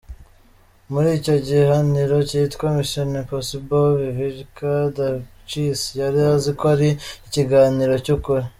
Muri icyo kiganiro cyitwa Mission impossible Vivica Dacic yarazi ko ari ikiganiro cy’ukuri.